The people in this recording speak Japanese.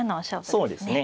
そうですね。